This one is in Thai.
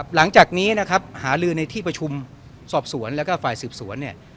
หลังจากนี้นะครับหาลือในที่ประชุมสอบสวนแล้วก็ฝ่ายสืบสวนเนี่ย